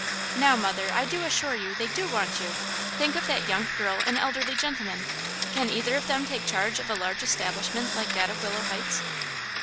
"Now, mother, I do assure you, they do want you! Think of that young girl and elderly gentleman! Can either of them take charge of a large establishment like that of Willow Heights?"